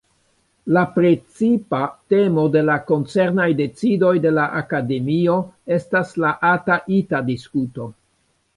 La precipa temo de la koncernaj decidoj de la Akademio estas la ata-ita-diskuto.